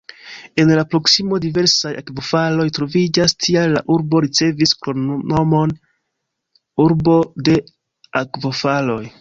En la proksimo diversaj akvofaloj troviĝas, tial la urbo ricevis kromnomon "urbo de akvofaloj".